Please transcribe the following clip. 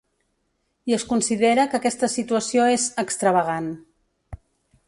I es considera que aquesta situació és ‘extravagant’.